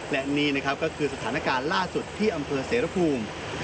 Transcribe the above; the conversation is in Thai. และนี่นะครับก็คือสถานการณ์ล่าสุดที่อำเภอเสรภูมิ